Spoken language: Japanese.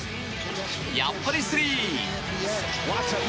やっぱり、スリー！